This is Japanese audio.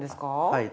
はい。